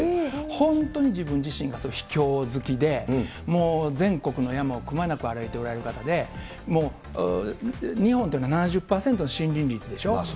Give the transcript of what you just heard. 本当に自分自身が秘境好きで、もう全国の山をくまなく歩いておられる方で、日本というのは７０％の森林率でしょ。